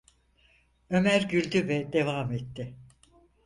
Ömer güldü ve devam etti: